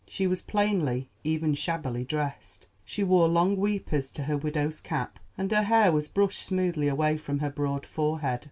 She was plainly, even shabbily, dressed. She wore long weepers to her widow's cap, and her hair was brushed smoothly away from her broad forehead.